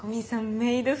メイド服